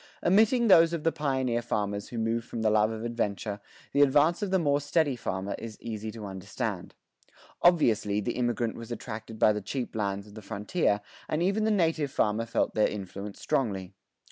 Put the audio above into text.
[21:1] Omitting those of the pioneer farmers who move from the love of adventure, the advance of the more steady farmer is easy to understand. Obviously the immigrant was attracted by the cheap lands of the frontier, and even the native farmer felt their influence strongly.